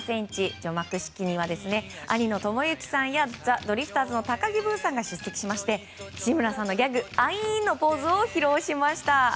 除幕式には兄の知之さんやザ・ドリフターズの高木ブーさんが出席しまして志村さんのギャグアイーンのポーズを披露しました。